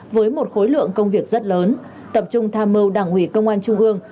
với một khối lượng công việc rất lớn tập trung tham mưu đảng ủy công an trung ương